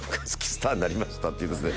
スターに成りました」っていうですね